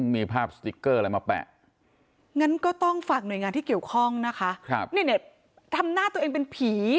มันเนี่ยทำหน้าตัวเองเป็นผิง